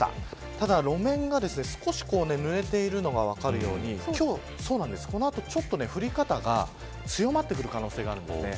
ただ路面が少しぬれているのが分かるようにこの後、ちょっと降り方が強まってくる可能性があります。